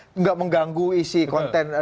tidak mengganggu isi konten